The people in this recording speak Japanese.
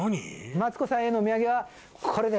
マツコさんへのお土産は。